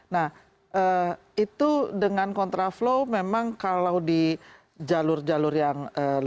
nah itu dengan kontraflow memang kalau di jalur jalur yang